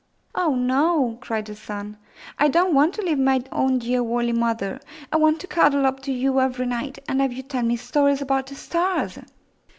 "Oh, no!" cried her son. "I don't want to leave my own dear woolly mother! I want to cuddle up to you every night and have you tell me stories about the stars."